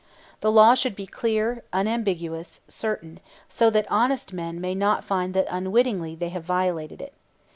The law should be clear, unambiguous, certain, so that honest men may not find that unwittingly they have violated it.